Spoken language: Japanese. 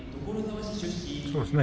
そうですね。